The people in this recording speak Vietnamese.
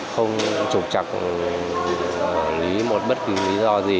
không trục chặt lý một bất cứ lý do gì